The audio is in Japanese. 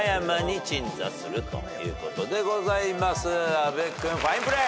阿部君ファインプレー！